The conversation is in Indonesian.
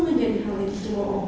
menjadi hal yang dicemoh cemoh